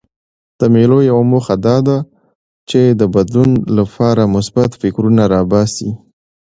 د مېلو یوه موخه دا ده، چي د بدلون له پاره مثبت فکرونه راباسي.